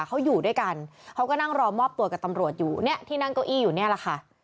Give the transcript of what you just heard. เขาอยู่ด้วยกันเขาก็นั่งรอมอบตัวกับตำรวจอยู่เนี่ยที่นั่งเก้าอี้อยู่เนี่ยแหละค่ะ